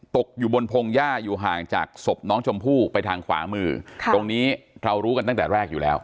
ตกอยู่บนพงหญ้าอยู่ห่างจากศพน้องชมพู่ไปทางขวามือตรงนี้เรารู้กันตั้งแต่แรกอยู่แล้ว